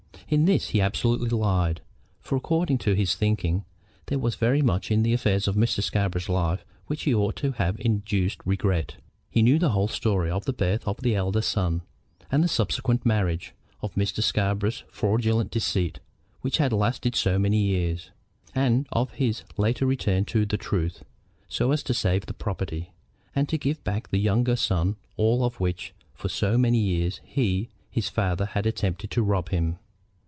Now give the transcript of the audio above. In this he absolutely lied, for, according to his thinking, there was very much in the affairs of Mr. Scarborough's life which ought to have induced regret. He knew the whole story of the birth of the elder son, of the subsequent marriage, of Mr. Scarborough's fraudulent deceit which had lasted so many years, and of his later return to the truth, so as to save the property, and to give back to the younger son all of which for so many years he, his father, had attempted to rob him.